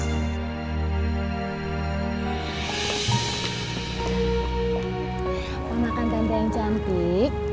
pemakan tante yang cantik